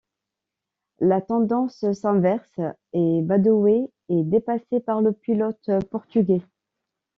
La tendance s'inverse et Badoer est dépassé par le pilote portugais.